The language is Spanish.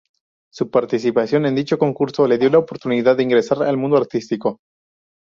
Su participación en dicho concurso le dio la oportunidad de ingresar al mundo artístico.